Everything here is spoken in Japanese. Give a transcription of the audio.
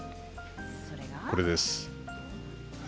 これです。